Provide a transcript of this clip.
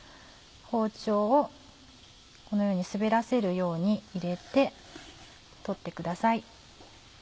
包丁をこのように滑らせるように入れて取ってください。